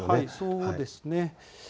そうですね。